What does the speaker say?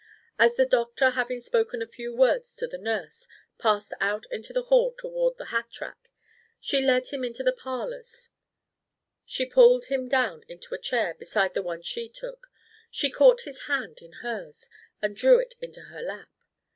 As the doctor, having spoken a few words to the nurse, passed out into the hall toward the hat rack, she led him into the parlors; she pulled him down into a chair beside the one she took; she caught his hand in hers and drew it into her lap.